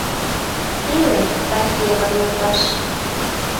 Иле, Пакеева йолташ!